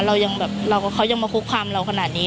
เราก็เขายังมาคุกความเราขนาดนี้